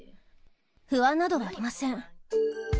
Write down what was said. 不安などはありません。